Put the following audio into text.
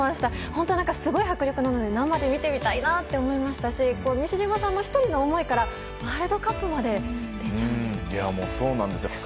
本当に、すごい迫力なので生で見てみたいなって思いましたし西島さんの１人の思いからワールドカップまで出ちゃうんですね。